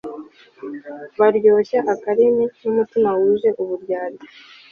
baryoshya akarimi n'umutima wuje uburyarya